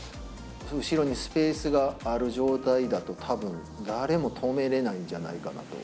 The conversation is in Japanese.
後ろにスペースがある状態だと、たぶん誰も止めれないんじゃないかなと。